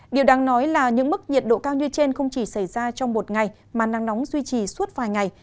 điều đáng nói là những mức nhiệt độ cao như trên không chỉ xảy ra trong một ngày mà nắng nóng duy trì suốt vài ngày